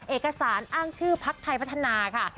เอกสารอ้างชื่อพักไทยพัฒนาค่ะ